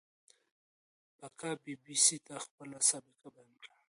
بکا بي بي سي ته خپله سابقه بيان کړه.